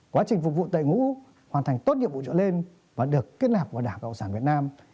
phục vụ tại ngũ hoàn thành tốt nghiệp vụ trở lên và được kết nạp vào đảng cộng sản việt nam